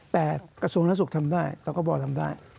แต่กระทรวงรัฐสุขทำได้และก็บ่อทำได้